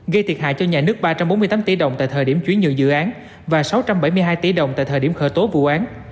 gây thiệt hại cho nhà nước ba trăm bốn mươi tám tỷ đồng tại thời điểm chuyển nhượng dự án và sáu trăm bảy mươi hai tỷ đồng tại thời điểm khởi tố vụ án